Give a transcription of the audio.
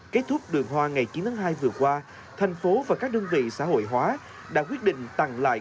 kết thúc đường hoa ngày chín tháng hai vừa qua thành phố và các đơn vị xã hội hóa đã quyết định tặng lại